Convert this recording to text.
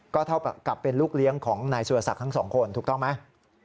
ก็เท่ากับเป็นลูกเลี้ยงของนายสุรศักดิ์ทั้งสองคนถูกต้องไหม